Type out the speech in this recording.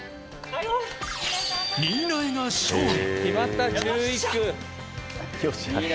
新家が勝利。